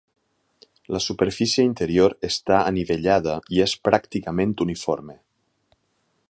La superfície interior està anivellada i és pràcticament uniforme.